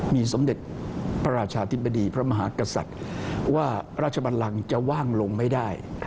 มีสมเด็จพระราชาธิบดีพระมหากษัตริย์ว่าราชบันลังจะว่างลงไม่ได้